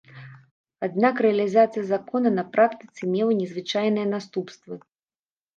Аднак рэалізацыя закона на практыцы мела незвычайныя наступствы.